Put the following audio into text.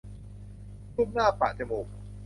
ลูบหน้าปะจมูก